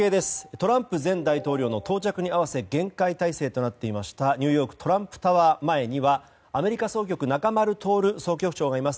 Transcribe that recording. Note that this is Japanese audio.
トランプ前大統領の到着に合わせ厳戒態勢となっていましたニューヨークトランプタワー前にはアメリカ総局中丸徹総局長がいます。